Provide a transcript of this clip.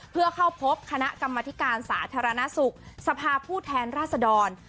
เพื่อเข้าพบคณะกรรมธิการสาธารณสุขสภาพผู้แทนราษดร